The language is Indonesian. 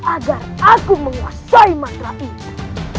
agar aku menguasai matra itu